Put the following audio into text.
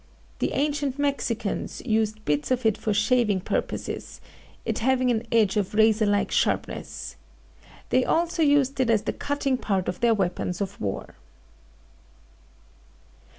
The ancient Mexicans used bits of it for shaving purposes, it having an edge of razor like sharpness. They also used it as the cutting part of their weapons of war.